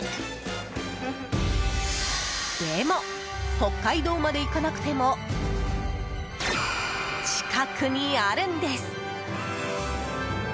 でも、北海道まで行かなくても近くにあるんです。